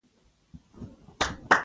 ما خپلې مور ته د سر درد درمل راوړل .